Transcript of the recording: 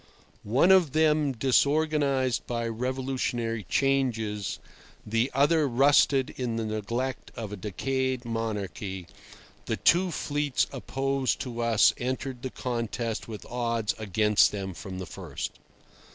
One of them disorganized by revolutionary changes, the other rusted in the neglect of a decayed monarchy, the two fleets opposed to us entered the contest with odds against them from the first.